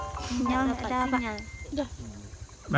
sinyal nggak ada pak